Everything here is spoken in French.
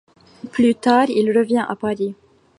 Plus tard, il revient à Paris.